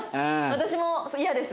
私も嫌です。